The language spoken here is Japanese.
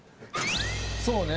そうね。